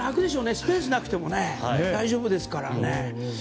スペースがなくても大丈夫ですからね。